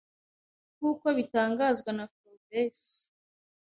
Nkuko bitangazwa na Forbes,